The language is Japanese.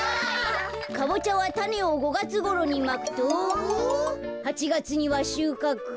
「かぼちゃはたねを５がつごろにまくと８がつにはしゅうかく」。